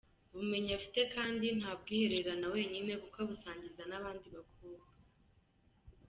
ubumenyi afite kandi ntabwihererana wenyine kuko abusangiza n’abandi bakobwa.